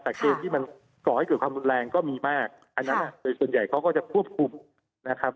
แต่เกมที่มันก่อให้เกิดความรุนแรงก็มีมากอันนั้นโดยส่วนใหญ่เขาก็จะควบคุมนะครับ